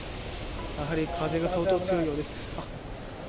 やはり風が相当強いようです。